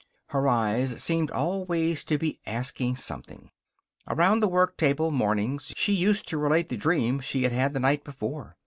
Her eyes seemed always to be asking something. Around the worktable, mornings, she used to relate the dream she had had the night before.